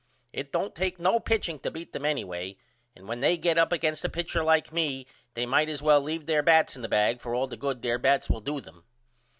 It don't take no pitching to beat them anyway and when they get up against a pitcher like I they might as well leave their bats in the bag for all the good their bats will do them.